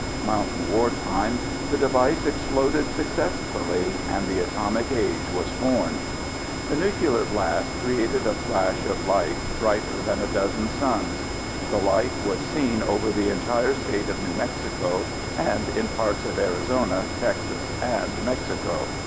Mountain War Time, the device exploded successfully and the Atomic Age was born. The nuclear blast created a flash of light brighter than a dozen suns. The light was seen over the entire state of New Mexico and in parts of Arizona, Texas, and Mexico.